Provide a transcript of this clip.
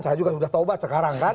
saya juga udah tobat sekarang kan